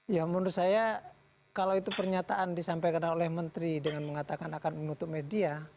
ya menurut saya kalau itu pernyataan disampaikan oleh menteri dengan mengatakan akan menutup media